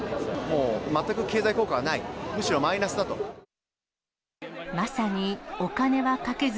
もう全く経済効果はない、むしろまさにお金はかけず、